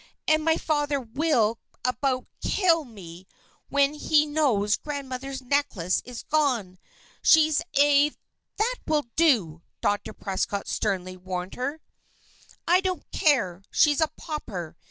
"And my father will about kill me when he knows grandmother's necklace is gone. She's a " "That will do!" Dr. Prescott sternly warned her. "I don't care! She's a pauper!